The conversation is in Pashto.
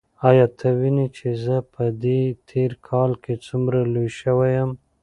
ایا ته وینې چې زه په دې تېر کال کې څومره لوی شوی یم؟